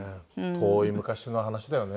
遠い昔の話だよね。